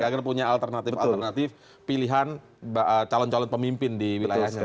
karena kinerja itu sudah punya alternatif alternatif pilihan calon calon pemimpin di wilayahnya